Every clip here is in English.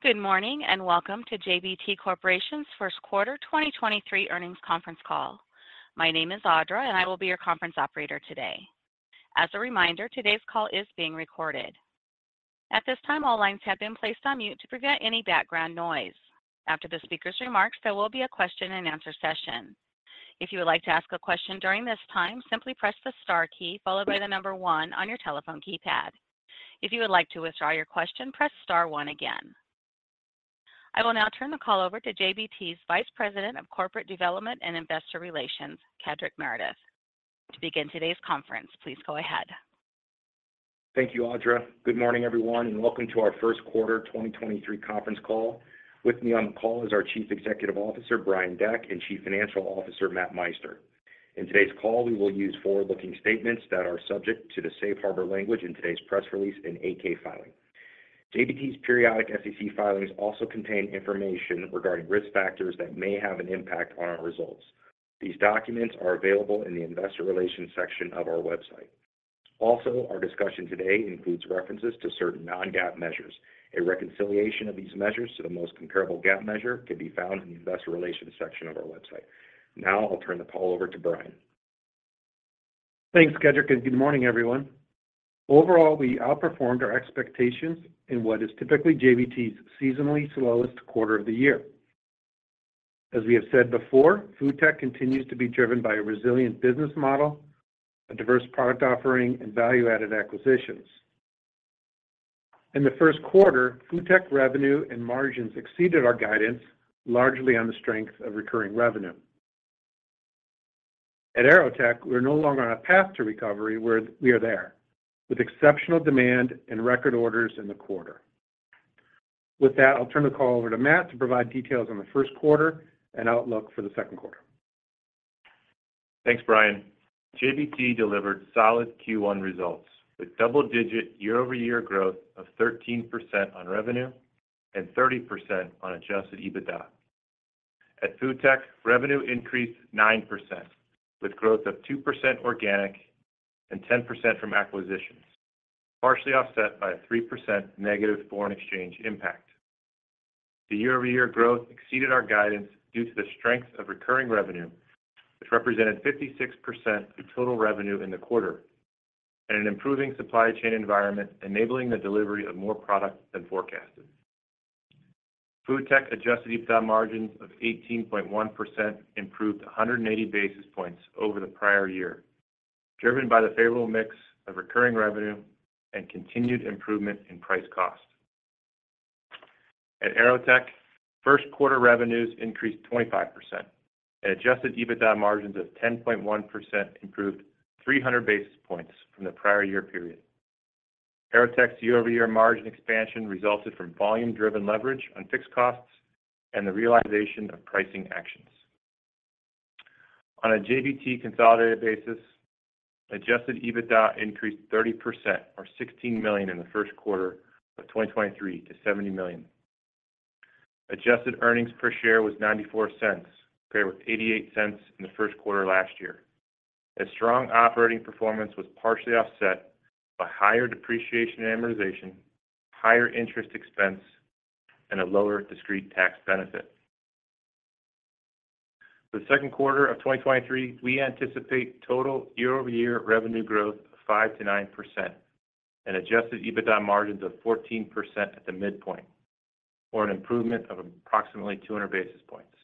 Good morning, welcome to JBT Corporation's First Quarter 2023 Earnings Conference Call. My name is Audra, I will be your conference operator today. As a reminder, today's call is being recorded. At this time, all lines have been placed on mute to prevent any background noise. After the speaker's remarks, there will be a question-and-answer session. If you would like to ask a question during this time, simply press the star key followed by the number one on your telephone keypad. If you would like to withdraw your question, press star one again. I will now turn the call over to JBT's Vice President of Corporate Development and Investor Relations, Kedric Meredith. To begin today's conference, please go ahead. Thank you, Audra. Good morning, everyone, welcome to our first quarter 2023 conference call. With me on the call is our Chief Executive Officer, Brian Deck, and Chief Financial Officer, Matt Meister. In today's call, we will use forward-looking statements that are subject to the safe harbor language in today's press release and 8-K filing. JBT's periodic SEC filings also contain information regarding risk factors that may have an impact on our results. These documents are available in the Investor Relations section of our website. Our discussion today includes references to certain non-GAAP measures. A reconciliation of these measures to the most comparable GAAP measure can be found in the Investor Relations section of our website. I'll turn the call over to Brian. Thanks, Kedric. Good morning, everyone. Overall, we outperformed our expectations in what is typically JBT's seasonally slowest quarter of the year. As we have said before, FoodTech continues to be driven by a resilient business model, a diverse product offering, and value-added acquisitions. In the first quarter, FoodTech revenue and margins exceeded our guidance, largely on the strength of recurring revenue. At AeroTech, we're no longer on a path to recovery, where we are there, with exceptional demand and record orders in the quarter. With that, I'll turn the call over to Matt to provide details on the first quarter and outlook for the second quarter. Thanks, Brian. JBT delivered solid Q1 results with double-digit year-over-year growth of 13% on revenue and 30% on adjusted EBITDA. At FoodTech, revenue increased 9%, with growth of 2% organic and 10% from acquisitions, partially offset by a 3% negative foreign exchange impact. The year-over-year growth exceeded our guidance due to the strength of recurring revenue, which represented 56% of total revenue in the quarter and an improving supply chain environment enabling the delivery of more product than forecasted. FoodTech adjusted EBITDA margins of 18.1% improved 180 basis points over the prior year, driven by the favorable mix of recurring revenue and continued improvement in price cost. At AeroTech, first quarter revenues increased 25%, and adjusted EBITDA margins of 10.1% improved 300 basis points from the prior year period. AeroTech's year-over-year margin expansion resulted from volume-driven leverage on fixed costs and the realization of pricing actions. On a JBT consolidated basis, adjusted EBITDA increased 30% or $16 million in the first quarter of 2023 to $70 million. Adjusted earnings per share was $0.94, compared with $0.88 in the first quarter last year, as strong operating performance was partially offset by higher depreciation amortization, higher interest expense, and a lower discrete tax benefit. For the second quarter of 2023, we anticipate total year-over-year revenue growth of 5%-9% and adjusted EBITDA margins of 14% at the midpoint, or an improvement of approximately 200 basis points.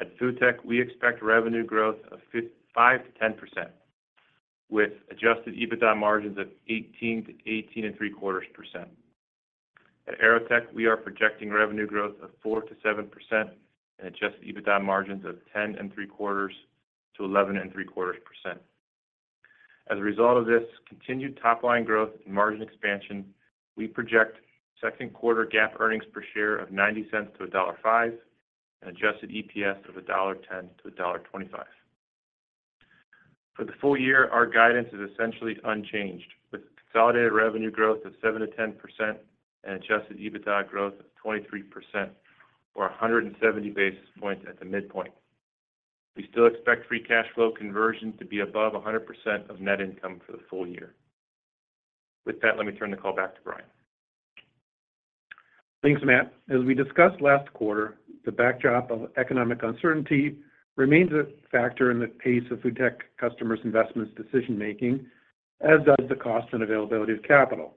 At FoodTech, we expect revenue growth of 5%-10%, with adjusted EBITDA margins of 18%-18.75%. At AeroTech, we are projecting revenue growth of 4%-7% and adjusted EBITDA margins of 10.75%-11.75%. As a result of this continued top-line growth and margin expansion, we project second quarter GAAP earnings per share of $0.90-$1.05 and adjusted EPS of $1.10-$1.25. For the full year, our guidance is essentially unchanged, with consolidated revenue growth of 7%-10% and adjusted EBITDA growth of 23%, or 170 basis points at the midpoint. We still expect free cash flow conversion to be above 100% of net income for the full year. With that, let me turn the call back to Brian. Thanks, Matt. As we discussed last quarter, the backdrop of economic uncertainty remains a factor in the pace of FoodTech customers' investments decision-making, as does the cost and availability of capital.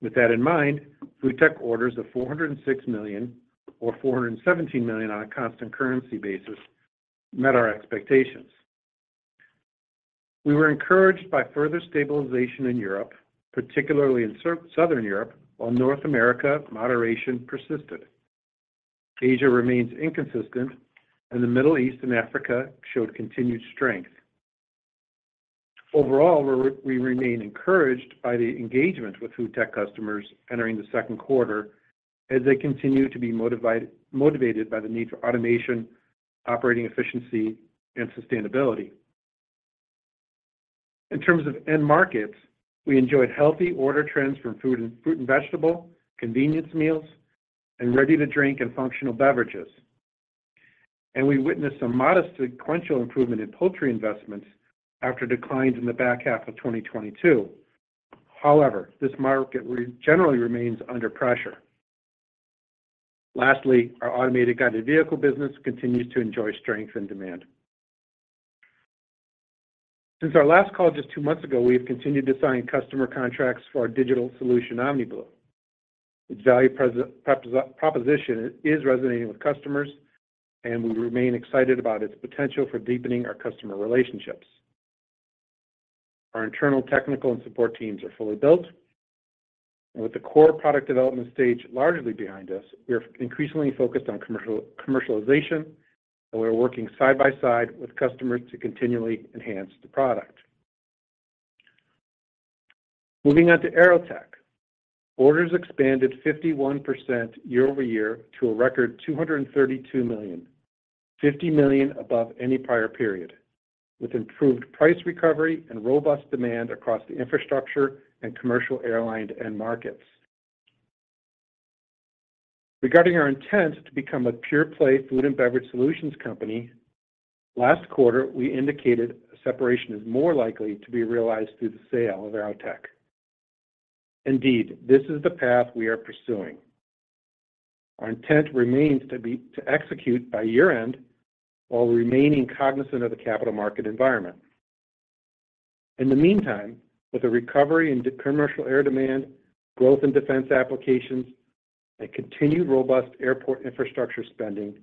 With that in mind, FoodTech orders of $406 million or $417 million on a constant currency basis met our expectations. We were encouraged by further stabilization in Europe, particularly in Southern Europe, while North America moderation persisted. Asia remains inconsistent, and the Middle East and Africa showed continued strength. Overall, we remain encouraged by the engagement with FoodTech customers entering the second quarter as they continue to be motivated by the need for automation, operating efficiency, and sustainability. In terms of end markets, we enjoyed healthy order trends from fruit and vegetable, convenience meals, and ready-to-drink and functional beverages. We witnessed some modest sequential improvement in poultry investments after declines in the back half of 2022. However, this market generally remains under pressure. Lastly, our automated guided vehicle business continues to enjoy strength and demand. Since our last call just two months ago, we have continued to sign customer contracts for our digital solution OmniBlu. Its value proposition is resonating with customers, and we remain excited about its potential for deepening our customer relationships. Our Internal Technical and Support teams are fully built. With the core product development stage largely behind us, we are increasingly focused on commercialization, and we are working side by side with customers to continually enhance the product. Moving on to AeroTech. Orders expanded 51% year-over-year to a record $232 million, $50 million above any prior period, with improved price recovery and robust demand across the infrastructure and commercial airline end markets. Regarding our intent to become a pure-play food and beverage solutions company, last quarter, we indicated a separation is more likely to be realized through the sale of AeroTech. Indeed, this is the path we are pursuing. Our intent remains to execute by year-end while remaining cognizant of the capital market environment. In the meantime, with a recovery in commercial air demand, growth in defense applications, and continued robust airport infrastructure spending,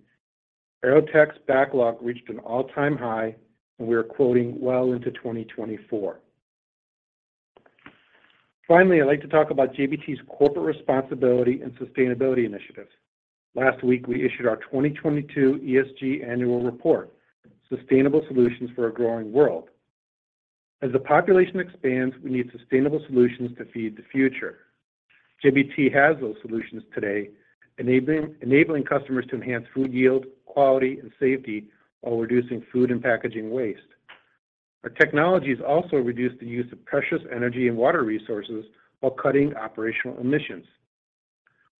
AeroTech's backlog reached an all-time high, and we are quoting well into 2024. Finally, I'd like to talk about JBT's corporate responsibility and sustainability initiatives. Last week, we issued our 2022 ESG annual report, Sustainable Solutions for a Growing World. As the population expands, we need sustainable solutions to feed the future. JBT has those solutions today, enabling customers to enhance food yield, quality, and safety while reducing food and packaging waste. Our technologies also reduce the use of precious energy and water resources while cutting operational emissions.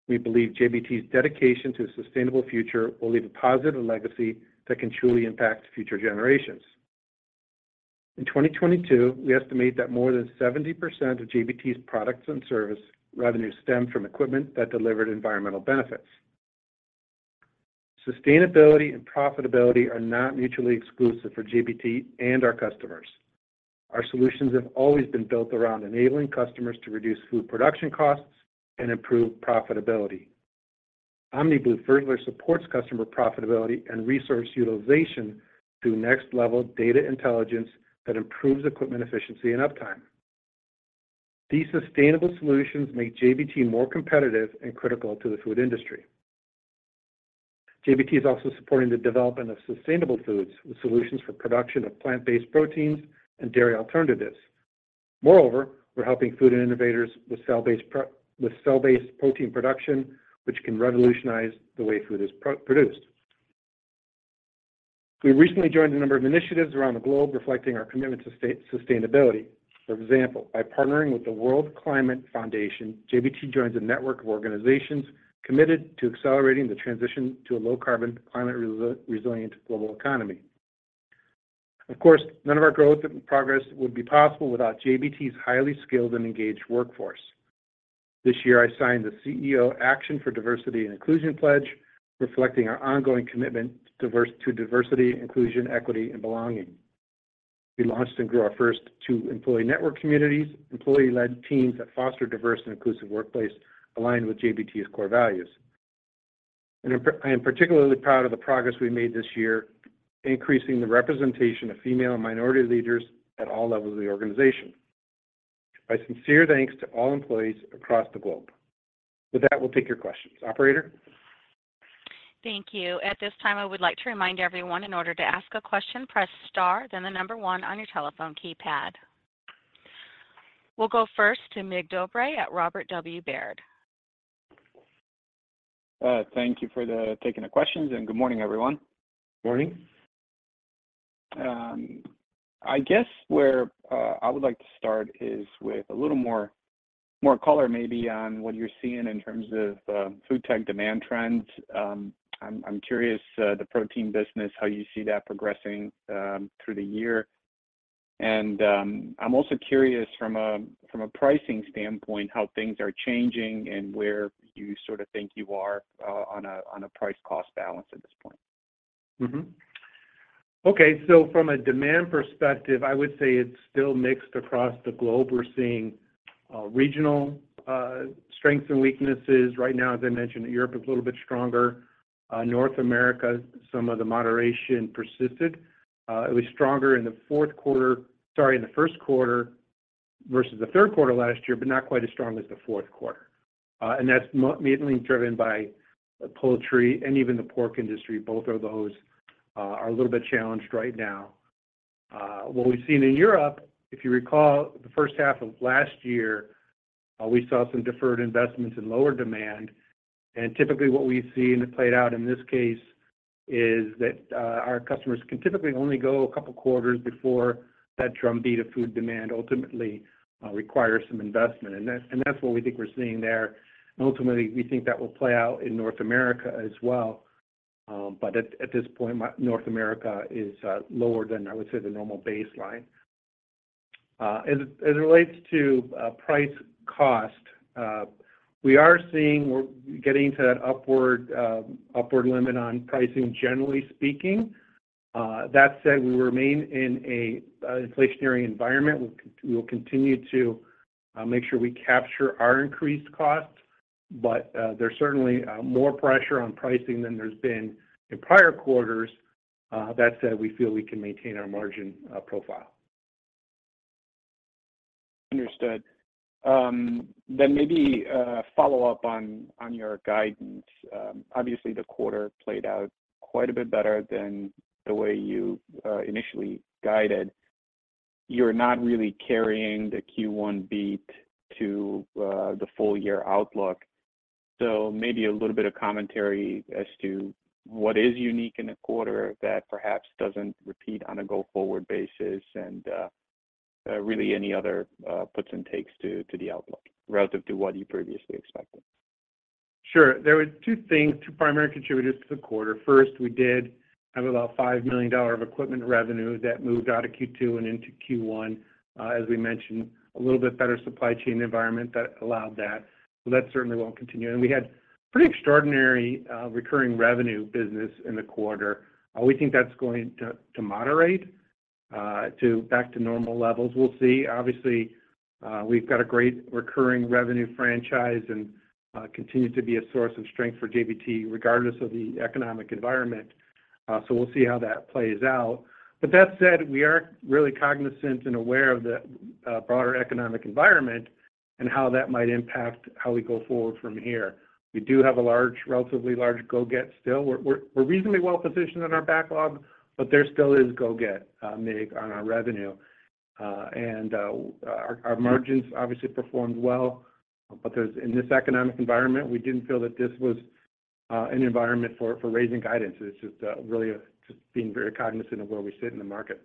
We believe JBT's dedication to a sustainable future will leave a positive legacy that can truly impact future generations. In 2022, we estimate that more than 70% of JBT's products and service revenue stemmed from equipment that delivered environmental benefits. Sustainability and profitability are not mutually exclusive for JBT and our customers. Our solutions have always been built around enabling customers to reduce food production costs and improve profitability. OmniBlu further supports customer profitability and resource utilization through next-level data intelligence that improves equipment efficiency and uptime. These sustainable solutions make JBT more competitive and critical to the food industry. JBT is also supporting the development of sustainable foods with solutions for production of plant-based proteins and dairy alternatives. Moreover, we're helping food innovators with cell-based protein production, which can revolutionize the way food is produced. We recently joined a number of initiatives around the globe reflecting our commitment to sustainability. For example, by partnering with the World Climate Foundation, JBT joins a network of organizations committed to accelerating the transition to a low-carbon, climate resilient global economy. Of course, none of our growth and progress would be possible without JBT's highly skilled and engaged workforce. This year, I signed the CEO Action for Diversity & Inclusion Pledge, reflecting our ongoing commitment to diversity, inclusion, equity, and belonging. We launched and grew our first two employee network communities, employee-led teams that foster diverse and inclusive workplace aligned with JBT's core values. I am particularly proud of the progress we made this year increasing the representation of female and minority leaders at all levels of the organization. My sincere thanks to all employees across the globe. With that, we'll take your questions. Operator? Thank you. At this time, I would like to remind everyone in order to ask a question, press star, then the number one on your telephone keypad. We'll go first to Mircea Dobre at Robert W. Baird. Thank you for the taking the questions, and good morning, everyone. Morning. I guess where I would like to start is with a little more, more color maybe on what you're seeing in terms of FoodTech demand trends. I'm curious, the protein business, how you see that progressing through the year. I'm also curious from a pricing standpoint how things are changing and where you sort of think you are on a price-cost balance at this point? Okay. From a demand perspective, I would say it's still mixed across the globe. We're seeing regional strengths and weaknesses. Right now, as I mentioned, Europe is a little bit stronger. North America, some of the moderation persisted. It was stronger in the fourth quarter-- Sorry, in the 1st quarter versus the third quarter last year, but not quite as strong as the fourth quarter. That's mainly driven by the poultry and even the pork industry. Both of those are a little bit challenged right now. What we've seen in Europe, if you recall the first half of last year, we saw some deferred investments and lower demand. Typically, what we've seen played out in this case is that, our customers can typically only go couple of quarters before that drumbeat of food demand ultimately requires some investment. That's what we think we're seeing there. Ultimately, we think that will play out in North America as well. But at this point, North America is lower than, I would say, the normal baseline. As it relates to price cost, we are seeing we're getting to that upward limit on pricing, generally speaking. That said, we remain in a inflationary environment. We will continue to make sure we capture our increased costs, but there's certainly more pressure on pricing than there's been in prior quarters. That said, we feel we can maintain our margin profile. Understood. Then maybe follow up on your guidance. Obviously, the quarter played out quite a bit better than the way you initially guided. You're not really carrying the Q1 beat to the full year outlook. Maybe a little bit of commentary as to what is unique in the quarter that perhaps doesn't repeat on a go-forward basis and really any other puts and takes to the outlook relative to what you previously expected. Sure. There were two things, two primary contributors to the quarter. First, we did have about $5 million of equipment revenue that moved out of Q2 and into Q1. As we mentioned, a little bit better supply chain environment that allowed that. That certainly won't continue. We had pretty extraordinary recurring revenue business in the quarter. We think that's going to moderate to back to normal levels. We'll see. Obviously, we've got a great recurring revenue franchise and continues to be a source of strength for JBT regardless of the economic environment. So we'll see how that plays out. That said, we are really cognizant and aware of the broader economic environment and how that might impact how we go forward from here. We do have a relatively large go-get still. We're reasonably well-positioned in our backlog, but there still is go-get, on our revenue. Our margins obviously performed well, but there's in this economic environment, we didn't feel that this was an environment for raising guidance. It's just really just being very cognizant of where we sit in the market.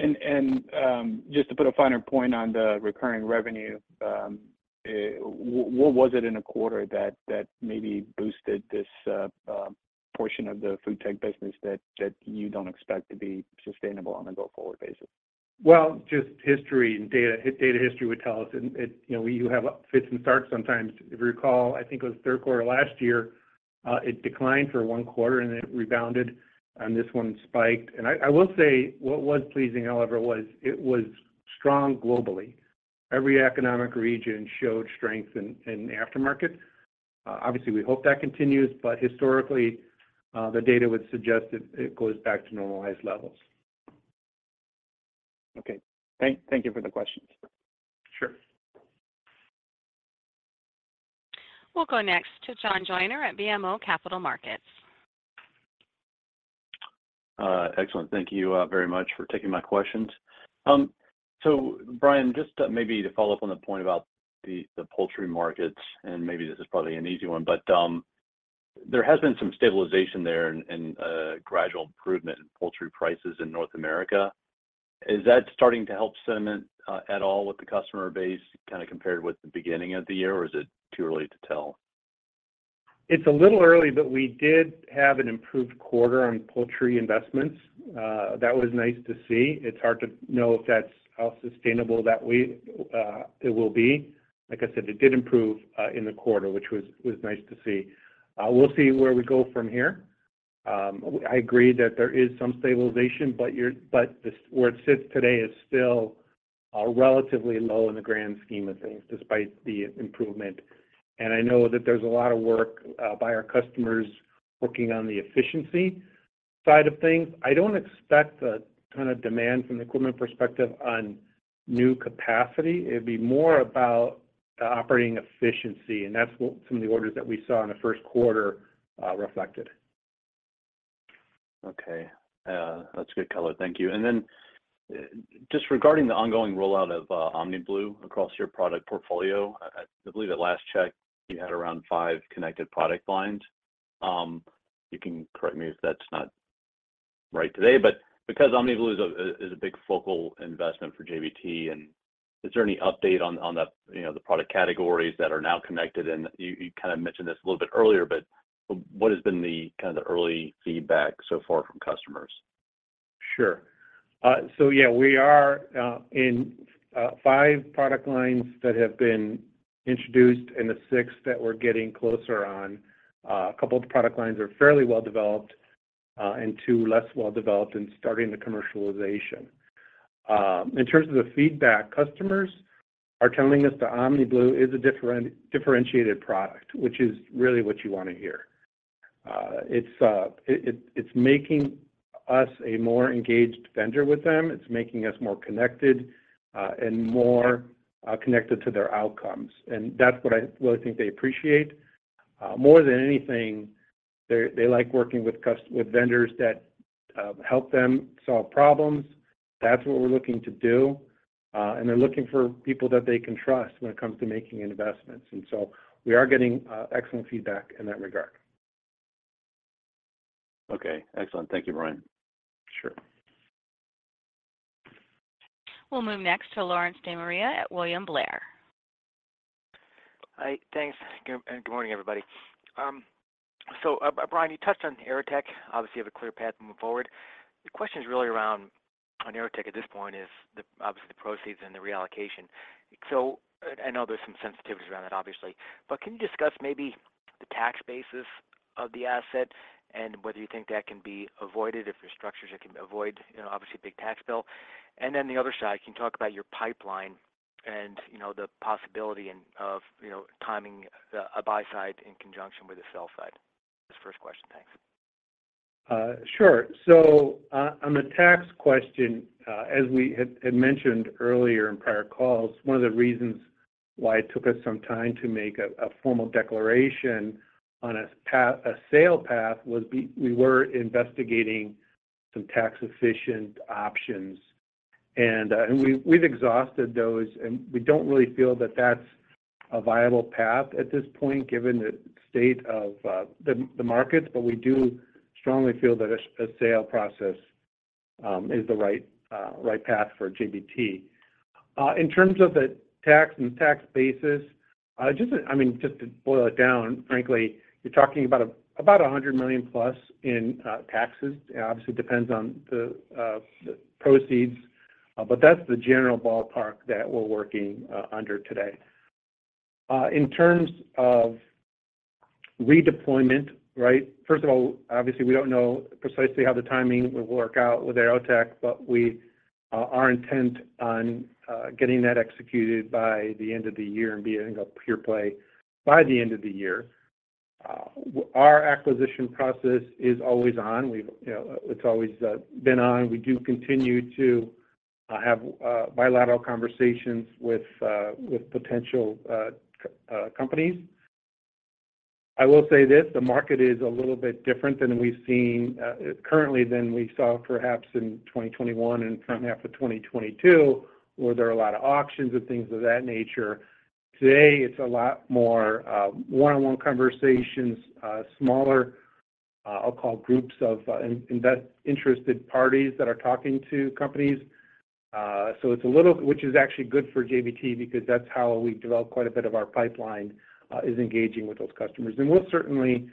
Just to put a finer point on the recurring revenue, what was it in a quarter that maybe boosted this portion of the FoodTech business that you don't expect to be sustainable on a go-forward basis? Well, just history and data. Data history would tell us and it, you know, you have fits and starts sometimes. If you recall, I think it was third quarter last year, it declined for one quarter and then it rebounded, and this one spiked. I will say what was pleasing, however, was it was strong globally. Every economic region showed strength in aftermarket. Obviously, we hope that continues, historically, the data would suggest it goes back to normalized levels. Okay. Thank you for the questions. Sure. We'll go next to John Joyner at BMO Capital Markets. Excellent. Thank you very much for taking my questions. Brian, just maybe to follow up on the point about the poultry markets, and maybe this is probably an easy one. There has been some stabilization there and gradual improvement in poultry prices in North America. Is that starting to help cement at all with the customer base kinda compared with the beginning of the year, or is it too early to tell? It's a little early, but we did have an improved quarter on poultry investments. That was nice to see. It's hard to know if that's how sustainable that it will be. Like I said, it did improve in the quarter, which was nice to see. We'll see where we go from here. I agree that there is some stabilization, but the where it sits today is still relatively low in the grand scheme of things despite the improvement. And I know that there's a lot of work by our customers working on the efficiency side of things. I don't expect the kind of demand from the equipment perspective on new capacity. It'd be more about operating efficiency, and that's what some of the orders that we saw in the first quarter reflected. Okay. That's good color. Thank you. Then just regarding the ongoing rollout of OmniBlu across your product portfolio, I believe at last check you had around five connected product lines. You can correct me if that's not right today. Because OmniBlu is a big focal investment for JBT, is there any update on that, you know, the product categories that are now connected? You kinda mentioned this a little bit earlier, but what has been the kinda the early feedback so far from customers? Sure. Yeah, we are in five product lines that have been introduced and the sixth that we're getting closer on. A couple of product lines are fairly well developed, and two less well developed and starting the commercialization. In terms of the feedback, customers are telling us that OmniBlu is a differentiated product, which is really what you wanna hear. It's it's making us a more engaged vendor with them. It's making us more connected, and more connected to their outcomes. That's what I really think they appreciate. More than anything, they like working with vendors that help them solve problems. That's what we're looking to do. They're looking for people that they can trust when it comes to making investments. We are getting excellent feedback in that regard. Okay, excellent. Thank you, Brian. Sure. We'll move next to Lawrence De Maria at William Blair. Hi, thanks. Good morning, everybody. So, Brian, you touched on AeroTech. Obviously, you have a clear path to move forward. The question is really around on AeroTech at this point is obviously, the proceeds and the reallocation. I know there's some sensitivity around that obviously. Can you discuss maybe the tax basis of the asset and whether you think that can be avoided if your structures can avoid, you know, obviously, a big tax bill? The other side, can you talk about your pipeline and, you know, the possibility and of, you know, timing the buy side in conjunction with the sell side? That's the first question. Thanks. Sure. On the tax question, as we had mentioned earlier in prior calls, one of the reasons why it took us some time to make a formal declaration on a sale path was we were investigating some tax-efficient options. We've exhausted those, and we don't really feel that that's a viable path at this point, given the state of the market. We do strongly feel that a sale process is the right path for JBT. In terms of the tax and tax basis, I mean, just to boil it down, frankly, you're talking about $100 million+ in taxes. Obviously, it depends on the proceeds, but that's the general ballpark that we're working under today. In terms of redeployment, right? First of all, obviously, we don't know precisely how the timing will work out with AeroTech, but we are intent on getting that executed by the end of the year and being a pure play by the end of the year. Our acquisition process is always on. We've, you know, it's always been on. We do continue to have bilateral conversations with potential companies. I will say this, the market is a little bit different than we've seen currently than we saw perhaps in 2021 and front half of 2022, where there are a lot of auctions and things of that nature. Today, it's a lot more one-on-one conversations, smaller, I'll call groups of interested parties that are talking to companies. It's a little Which is actually good for JBT because that's how we've developed quite a bit of our pipeline, is engaging with those customers. We'll certainly,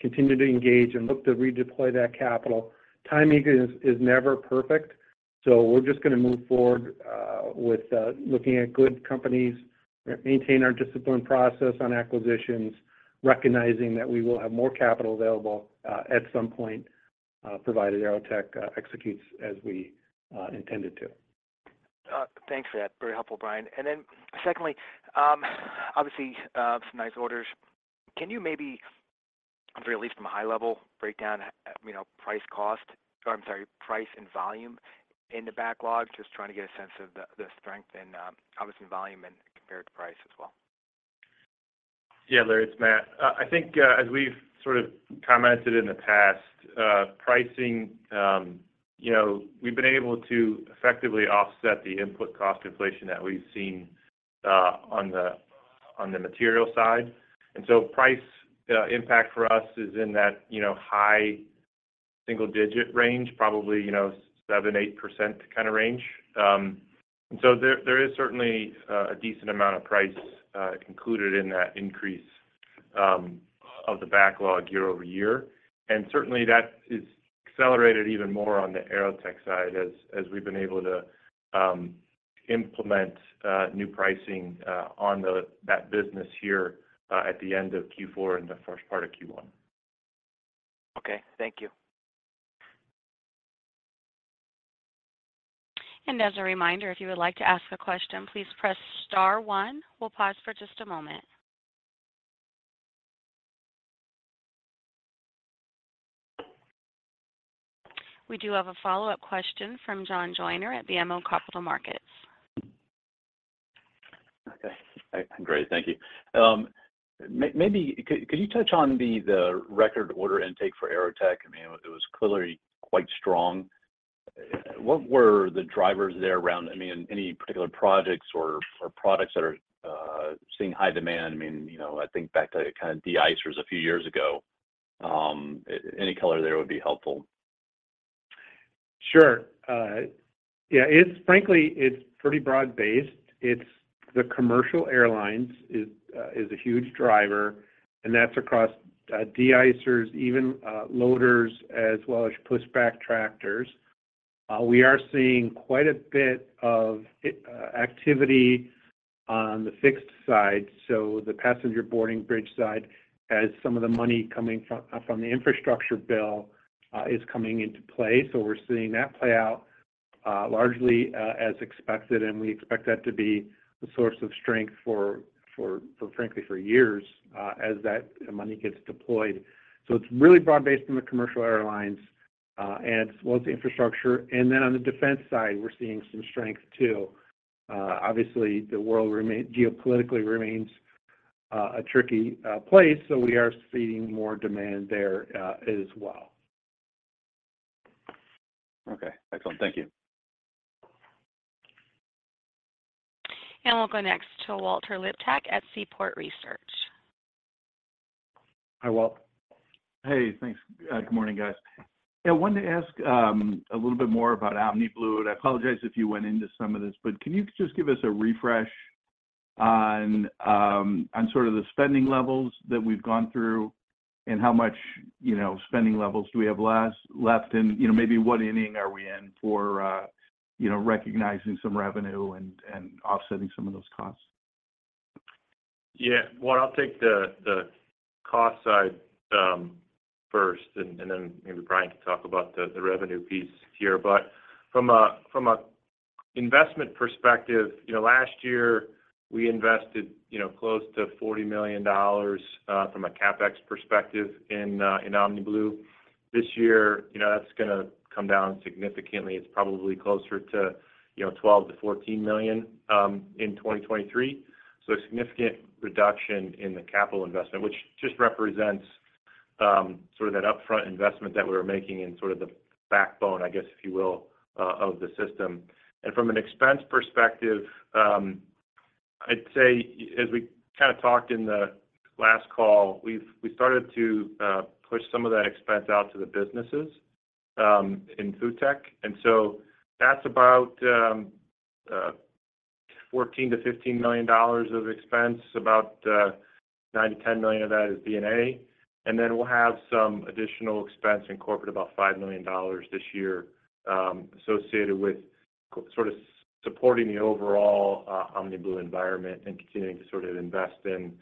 continue to engage and look to redeploy that capital. Timing is never perfect, so we're just gonna move forward, with looking at good companies, maintain our discipline process on acquisitions, recognizing that we will have more capital available, at some point, provided AeroTech, executes as we intend it to. Thanks for that. Very helpful, Brian. Secondly, obviously, some nice orders. Can you maybe, at least from a high level, break down, you know, price and volume in the backlog? Just trying to get a sense of the strength and obviously volume and compared to price as well. Yeah, Larry, it's Matt. I think, as we've sort of commented in the past, pricing, you know, we've been able to effectively offset the input cost inflation that we've seen, on the material side. Price impact for us is in that, you know, high single digit range, probably, you know, 7%-8% kind of range. There is certainly a decent amount of price included in that increase of the backlog year-over-year. And certainly, that is accelerated even more on the AeroTech side as we've been able to implement new pricing on that business here at the end of Q4 and the first part of Q1. Okay. Thank you. As a reminder, if you would like to ask a question, please press star one. We'll pause for just a moment. We do have a follow-up question from John Joyner at BMO Capital Markets. Okay. Great. Thank you. Maybe could you touch on the record order intake for AeroTech? I mean, it was clearly quite strong. What were the drivers there around, I mean, any particular projects or products that are seeing high demand? I mean, you know, I think back to kind of deicers a few years ago. Any color there would be helpful. Sure. yeah, it's frankly, it's pretty broad-based. It's the commercial airlines is a huge driver, and that's across, deicers, even, loaders, as well as pushback tractors. We are seeing quite a bit of activity on the fixed side. The passenger boarding bridge side as some of the money coming from the infrastructure bill, is coming into play. We're seeing that play out, largely, as expected, and we expect that to be the source of strength for frankly, for years, as that money gets deployed. It's really broad-based in the commercial airlines, and as well as the infrastructure. On the defense side, we're seeing some strength, too. Obviously, the world geopolitically remains a tricky place, so we are seeing more demand there, as well. Okay. Excellent. Thank you. We'll go next to Walter Liptak at Seaport Research. Hi, Walt. Hey Thanks. Good morning, guys. I wanted to ask a little bit more about OmniBlu, and I apologize if you went into some of this. Can you just give us a refresh on on sort of the spending levels that we've gone through and how much, you know, spending levels do we have left, and, you know, maybe what inning are we in for, you know, recognizing some revenue and offsetting some of those costs? Well, I'll take the cost side first, and then maybe Brian can talk about the revenue piece here. From a, from a investment perspective, you know, last year we invested, you know, close to $40 million from a CapEx perspective in OmniBlu. This year, you know, that's gonna come down significantly. It's probably closer to, you know, $12 million-$14 million in 2023. A significant reduction in the capital investment, which just represents sort of that upfront investment that we were making in sort of the backbone, I guess, if you will, of the system. From an expense perspective, I'd say as we kind of talked in the last call, we started to push some of that expense out to the businesses in FoodTech. That's about $14 million-$15 million of expense, about $9 million-$10 million of that is D&A. We'll have some additional expense in corporate, about $5 million this year, associated with sort of supporting the overall OmniBlu environment and continuing to sort of invest in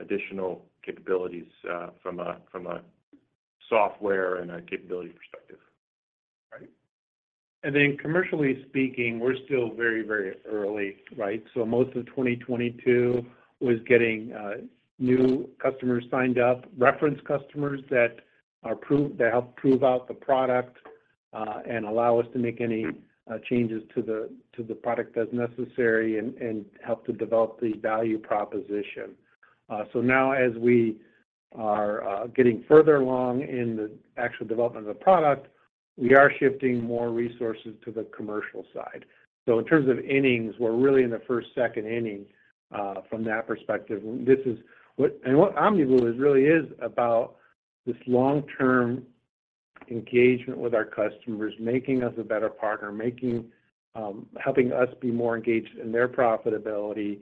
additional capabilities from a software and a capability perspective. Right. Then commercially speaking, we're still very, very early, right? Most of 2022 was getting new customers signed up, reference customers that help prove out the product, and allow us to make any changes to the product as necessary and help to develop the value proposition. Now as we are getting further along in the actual development of the product, we are shifting more resources to the commercial side. In terms of innings, we're really in the first, second inning from that perspective. What OmniBlu is really is about this long-term engagement with our customers, making us a better partner, making helping us be more engaged in their profitability.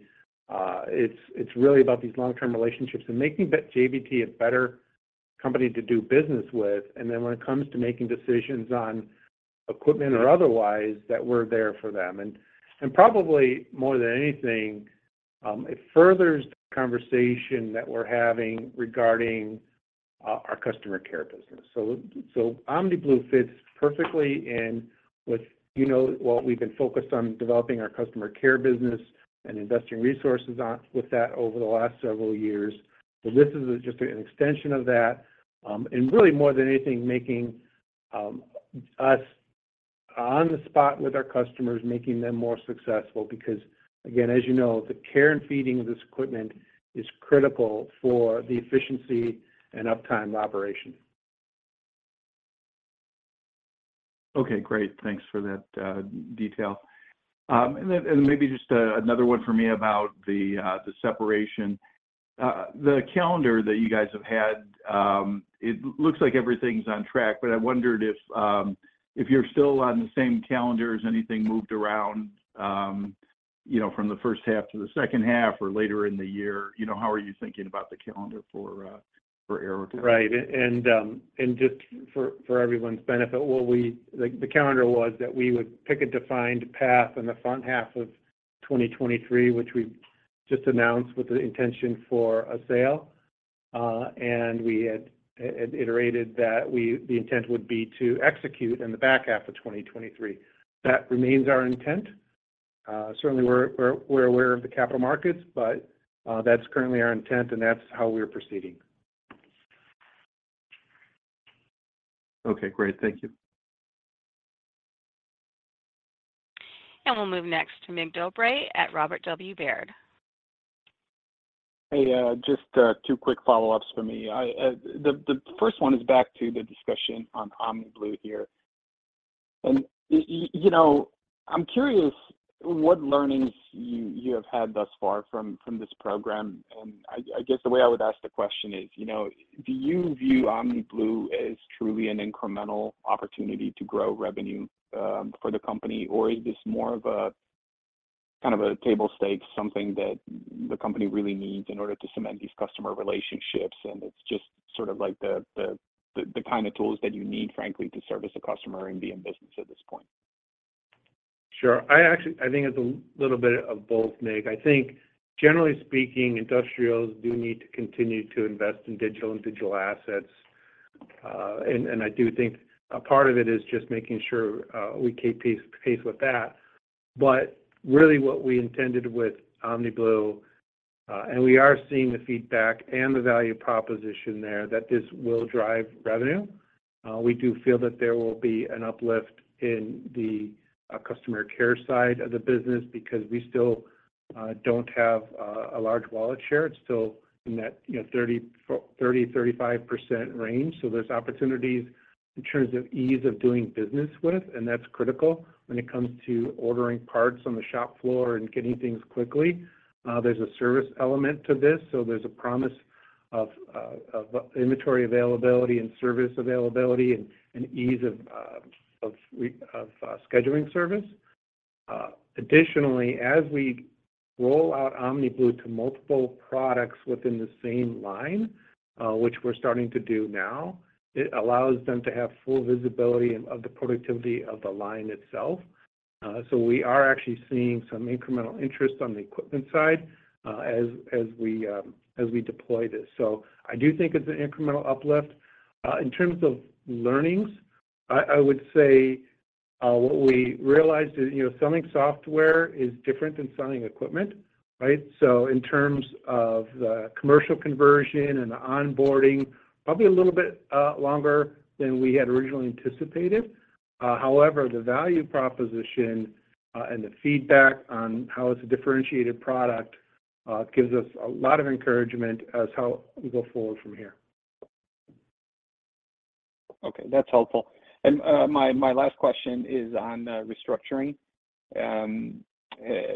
It's really about these long-term relationships and making JBT a better company to do business with. When it comes to making decisions on equipment or otherwise, that we're there for them. Probably more than anything, it furthers the conversation that we're having regarding our customer care business. OmniBlu fits perfectly in with, you know, what we've been focused on, developing our customer care business and investing resources with that over the last several years. This is just an extension of that, and really more than anything, making us on the spot with our customers, making them more successful, because again, as you know, the care and feeding of this equipment is critical for the efficiency and uptime of operations. Okay. Great. Thanks for that detail. Maybe just another one for me about the separation. The calendar that you guys have had, it looks like everything's on track, but I wondered if you're still on the same calendar. Has anything moved around, you know, from the first half to the second half or later in the year? You know, how are you thinking about the calendar for AeroTech? Right. Just for everyone's benefit, what the calendar was that we would pick a defined path in the front half of 2023, which we just announced with the intention for a sale. And we had iterated that the intent would be to execute in the back half of 2023. That remains our intent. Certainly we're aware of the capital markets, but that's currently our intent, and that's how we're proceeding. Okay. Great. Thank you. We'll move next to Mircea Dobre at Robert W. Baird. Hey. Just two quick follow-ups for me. The first one is back to the discussion on OmniBlu here. You know, I'm curious what learnings you have had thus far from this program. I guess the way I would ask the question is, you know, do you view OmniBlu as truly an incremental opportunity to grow revenue for the company? Or is this more of a, kind of a table stake, something that the company really needs in order to cement these customer relationships, and it's just sort of like the kind of tools that you need, frankly, to service a customer and be in business at this point? Sure. I think it's a little bit of both, Mircea. I think generally speaking, industrials do need to continue to invest in digital and digital assets. And I do think a part of it is just making sure we keep pace with that. Really what we intended with OmniBlu, and we are seeing the feedback and the value proposition there, that this will drive revenue. We do feel that there will be an uplift in the customer care side of the business because we still don't have a large wallet share. It's still in that, you know, 30%-35% range. There's opportunities in terms of ease of doing business with, and that's critical when it comes to ordering parts on the shop floor and getting things quickly. There's a service element to this, so there's a of inventory availability and service availability and ease of scheduling service. Additionally, as we roll out OmniBlu to multiple products within the same line, which we're starting to do now, it allows them to have full visibility of the productivity of the line itself. We are actually seeing some incremental interest on the equipment side, as we deploy this. I do think it's an incremental uplift. In terms of learnings, I would say, what we realized is, you know, selling software is different than selling equipment, right? In terms of the commercial conversion and the onboarding, probably a little bit longer than we had originally anticipated. However, the value proposition, and the feedback on how it's a differentiated product, gives us a lot of encouragement as how we go forward from here. Okay, that's helpful. My last question is on the restructuring.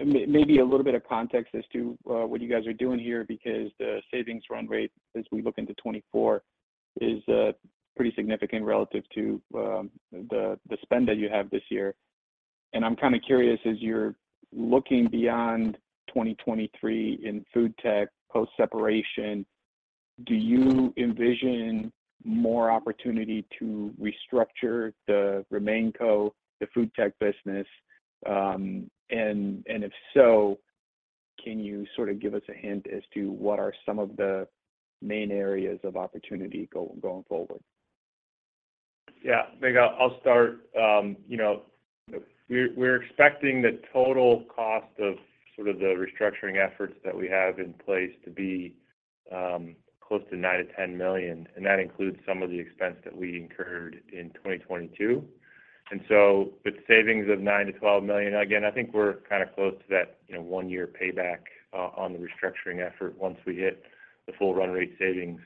Maybe a little bit of context as to what you guys are doing here, because the savings run rate as we look into 2024 is pretty significant relative to the spend that you have this year. I'm kinda curious, as you're looking beyond 2023 in FoodTech post-separation, do you envision more opportunity to restructure the RemainCo, the FoodTech business? If so, can you sort of give us a hint as to what are some of the main areas of opportunity going forward? Yeah. Maybe I'll start. You know, we're expecting the total cost of sort of the restructuring efforts that we have in place to be close to $9 million-$10 million, and that includes some of the expense that we incurred in 2022. With savings of $9 million-$12 million, again, I think we're kinda close to that, you know, one-year payback on the restructuring effort once we hit the full run rate savings.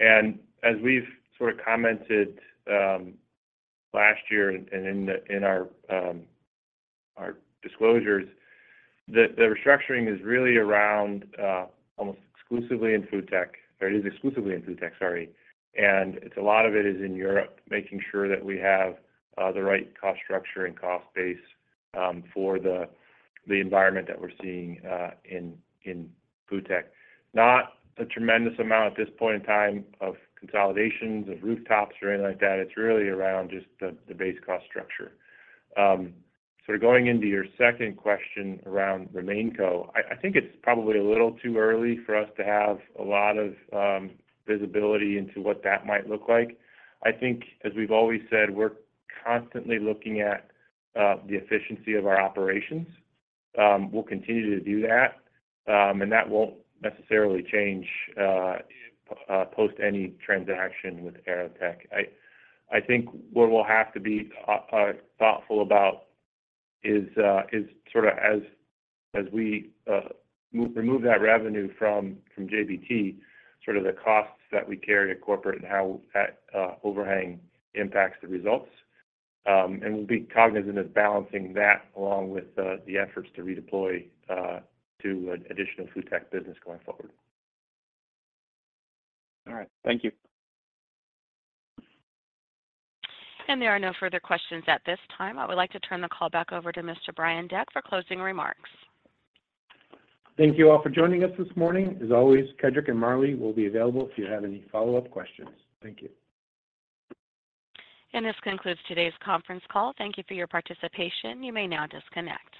As we've sort of commented, last year and in our disclosures, the restructuring is really around almost exclusively in FoodTech. It is exclusively in FoodTech, sorry. A lot of it is in Europe, making sure that we have the right cost structure and cost base for the environment that we're seeing in FoodTech. Not a tremendous amount at this point in time of consolidations, of rooftops or anything like that. It's really around just the base cost structure. Sort of going into your second question around RemainCo, I think it's probably a little too early for us to have a lot of visibility into what that might look like. I think, as we've always said, we're constantly looking at the efficiency of our operations. We'll continue to do that won't necessarily change post any transaction with AeroTech. I think what we'll have to be thoughtful about is sorta as we remove that revenue from JBT, sort of the costs that we carry at corporate and how that overhang impacts the results. And we'll be cognizant of balancing that along with the efforts to redeploy to an additional FoodTech business going forward. All right. Thank you. There are no further questions at this time. I would like to turn the call back over to Mr. Brian Deck for closing remarks. Thank you all for joining us this morning. As always, Kedric and Marley will be available if you have any follow-up questions. Thank you. This concludes today's conference call. Thank you for your participation. You may now disconnect.